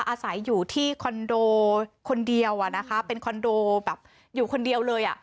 อาศัยอยู่ที่คอนโดคนเดียวเป็นคอนโดอยู่คนเดียวเลย